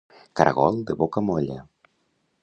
Caragol de boca molla.